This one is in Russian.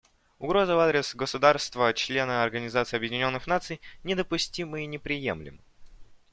Угрозы в адрес государства-члена Организации Объединенных Наций недопустимы и неприемлемы.